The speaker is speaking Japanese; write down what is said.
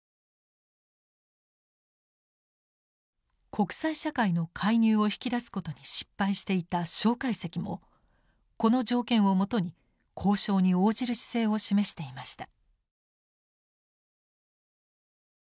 国際社会の介入を引き出すことに失敗していた介石もこの条件をもとに交渉に応じる姿勢を示していました。